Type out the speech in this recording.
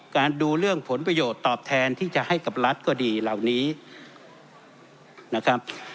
ดูเรื่องผลประโยชน์ตอบแทนที่จะให้กับรัฐก็ดีเหล่านี้นะครับ